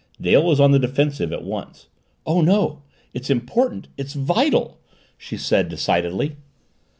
Dale was on the defensive at once. "Oh, no! It's important, it's vital!" she said decidedly.